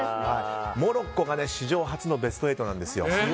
モロッコが史上初のベスト８なんですよ。